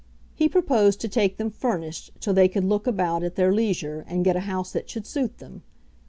He proposed to take them furnished till they could look about at their leisure and get a house that should suit them.